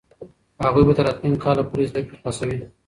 هغوی به تر راتلونکي کاله پورې زده کړې خلاصوي.